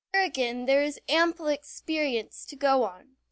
Here again there is ample experience to go on.